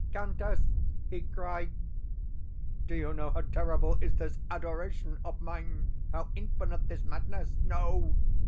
"'Countess,' he cried, 'do you know how terrible is this adoration of mine, how infinite this madness? No!